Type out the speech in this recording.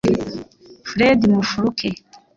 Fred Mufuluke